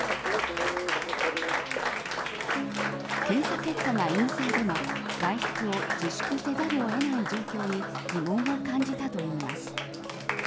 検査結果が陰性でも外出を自粛せざるを得ない状況に疑問を感じたといいます。